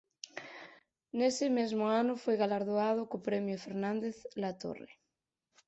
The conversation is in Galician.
Nese mesmo ano foi galardoado co Premio Fernández Latorre.